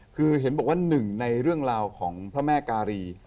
คือเห็นบอกว่าหนึ่งในเรื่องราวของพระแม่การี